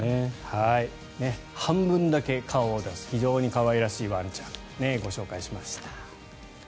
半分だけ顔を出して非常に可愛らしいワンちゃんご紹介しました。